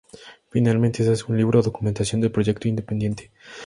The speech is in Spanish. Finalmente, se hace un libro o documentación de proyecto independiente.